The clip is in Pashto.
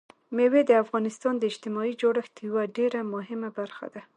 مېوې د افغانستان د اجتماعي جوړښت یوه ډېره مهمه برخه ده.